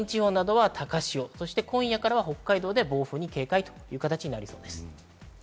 山陰地方などは高潮、そして今夜からは北海道で暴風に警戒という形になります。